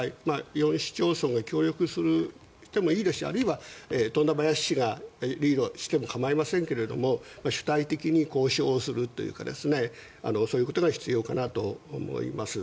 ４市町村が協力してもいいですしあるいは富田林市がリードしても構いませんけれども主体的に交渉するというかそういうことが必要かなと思います。